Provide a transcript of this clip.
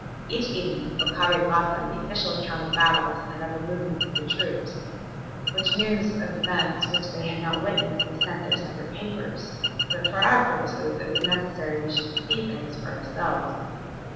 Each evening Okabe brought them the official account of battles and of the movements of the troops, which news of events which they had not witnessed they sent to their separate papers. But for our purposes it was necessary we should see things for ourselves.